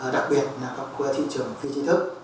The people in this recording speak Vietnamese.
đặc biệt là các thị trường phi trí thức